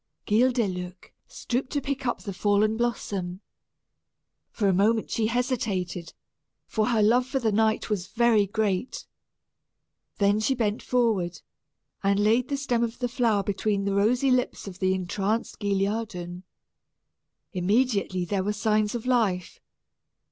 Guildeluec stooped to pick up the fallen blossom. For a moment she hesitated, for her love for the knight was very great. Then she bent forward, and laid the stem of the flower between the rosy lips of the entranced Guilliadun. Immediately there were signs of life.